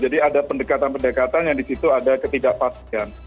jadi ada pendekatan pendekatan yang di situ ada ketidakpastian